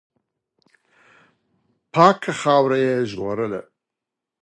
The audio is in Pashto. پاکه خاوره یې ژغورله.